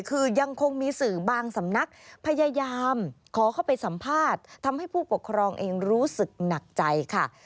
คือยังคงมีสื่อบางสำนักพยายามขอเข้าไปสัมภาษณ์ทำให้ผู้ปกครองเองรู้สึกหนักใจค่ะ